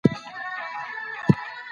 حق ته غاړه کېږدئ.